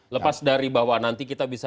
lepas dari bahwa nanti kita bisa